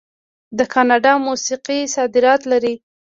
د کاناډا موسیقي صادرات لري.